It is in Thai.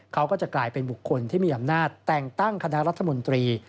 เขาก็จะกลายเป็นบุคคลที่มีอำนาจแต่งตั้งคณะรัฐมนตรี